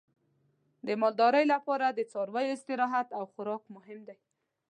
د مالدارۍ لپاره د څارویو استراحت او خوراک مهم دی.